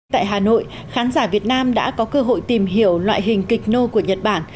tại hà nội khán giả việt nam đã có cơ hội tìm hiểu loại hình kịch nô của nhật bản